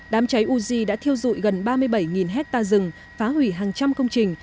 đám cháy uzi đã thiêu dụi gần ba mươi bảy hectare rừng phá hủy hàng trăm công trình